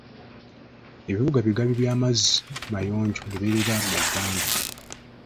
Ebibuga bigabi by'amazzi mayonjo lubeerera mu ggwanga.